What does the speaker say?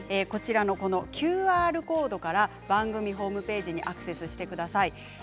こちらのＱＲコードから番組ホームページにアクセスしてください。